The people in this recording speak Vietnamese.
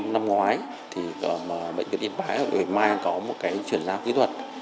năm ngoái thì bệnh viện yên bái ở bệnh viện mai có một cái chuyển giao kỹ thuật